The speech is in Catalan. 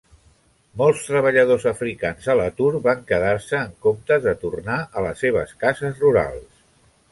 Molts treballadors africans a l'atur van quedar-se, en comptes de tornar a les seves cases rurals.